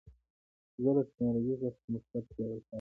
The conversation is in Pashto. زه له ټکنالوژۍ څخه په مثبت ډول کار اخلم.